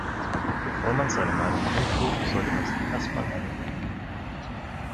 Bevor man seine Meinung kundtut, sollte man sich erst mal eine bilden.